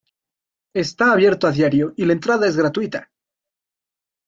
Está abierto a diario y la entrada es gratuita.